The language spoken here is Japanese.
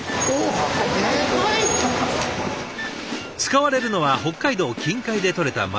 使われるのは北海道近海で取れた真鱈。